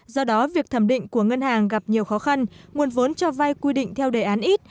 do đó việc thẩm định của ngân hàng gặp nhiều khó khăn nguồn vốn cho vay quy định theo đề án ít